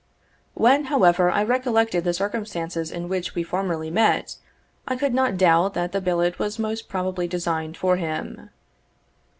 When, however, I recollected the circumstances in which we formerly met, I could not doubt that the billet was most probably designed for him.